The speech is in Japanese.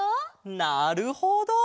なるほど！